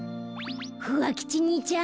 ふわ吉にいちゃん